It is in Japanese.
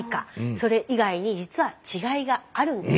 それ以外にじつは違いがあるんです。